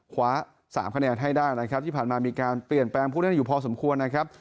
คว้าสามคะแนนให้ได้นะครับที่ผ่านมามีการเปลี่ยนแปลงผู้เล่นอยู่พอสมควรนะครับ